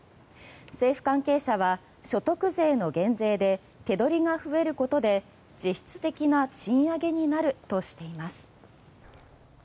政府関係者は所得税の減税で手取りが増えることで実質的な賃上げになるとしています。